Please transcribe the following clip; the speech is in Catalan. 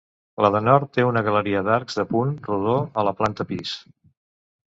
La de nord té una galeria d'arcs de punt rodó a la planta pis.